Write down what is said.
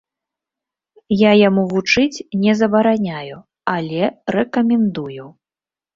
Я яму вучыць не забараняю, але рэкамендую.